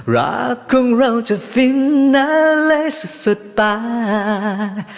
รักของเราจะฟินนั่นเลยสุดสุดปาย